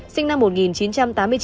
sinh năm một nghìn chín trăm tám mươi chín